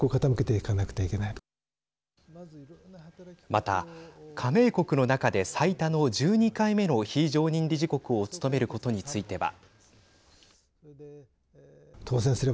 また、加盟国の中で最多の１２回目の非常任理事国を務めることについては。